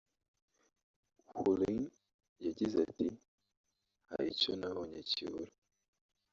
Houlin yagize ati “Hari icyo nabonye kibura